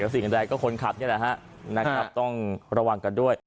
สิ่งใดก็คนขับนี่แหละฮะนะครับต้องระวังกันด้วย